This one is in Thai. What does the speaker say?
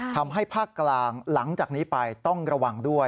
ภาคกลางหลังจากนี้ไปต้องระวังด้วย